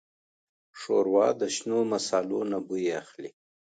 ښوروا د شنو مصالو نه بوی اخلي.